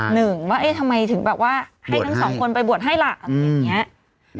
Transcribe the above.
หนึ่งว่าเอ๊ะทำไมถึงแบบว่าให้ทั้งสองคนไปบวชให้ล่ะอะไรอย่างนี้